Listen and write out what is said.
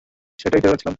সেটাই টের পাচ্ছিলাম।